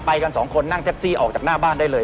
กันสองคนนั่งแท็กซี่ออกจากหน้าบ้านได้เลย